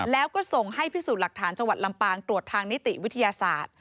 แล้วก็ส่งให้พิสูจน์หลักฐานจังหวัดลำปางตรวจทางนิติวิทยาศาสตร์